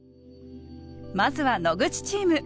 まずは野口チーム。